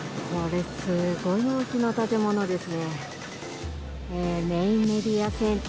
これ、すごい大きな建物ですね。